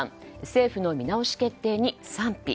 政府の見直し決定に賛否。